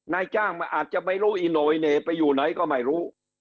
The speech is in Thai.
นายจ้างอาจจะไม่รู้อีโนอิเน่ไปอยู่ไหนก็ไม่รู้